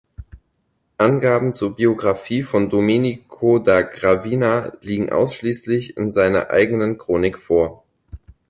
Angaben zur Biographie von Domenico da Gravina liegen ausschließlich in seiner eigenen Chronik vor.